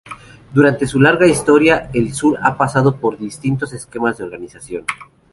Durante su larga historia, El Sur ha pasado por distintos esquemas de organización.